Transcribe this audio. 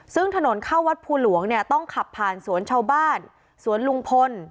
ซึ่งถนนเข้าวัดภูหลวงเนี่ยต้องขับผ่านสวนชาวบ้านสวนลุงพล